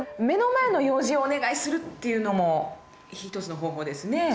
目の前の用事をお願いするっていうのも一つの方法ですね。